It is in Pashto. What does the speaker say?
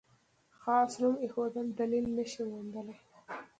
خاص نوم ایښودل دلیل نه شي موندلای.